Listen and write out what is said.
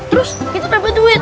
terus kita dapat duit